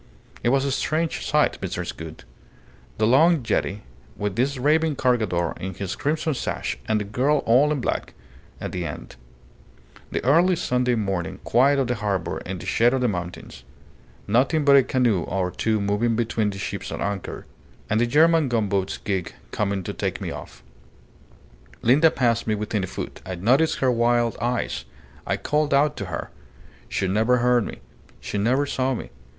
It was a strange sight, Mrs. Gould: the long jetty, with this raving Cargador in his crimson sash and the girl all in black, at the end; the early Sunday morning quiet of the harbour in the shade of the mountains; nothing but a canoe or two moving between the ships at anchor, and the German gunboat's gig coming to take me off. Linda passed me within a foot. I noticed her wild eyes. I called out to her. She never heard me. She never saw me.